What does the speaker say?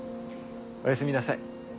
おやすみなさい。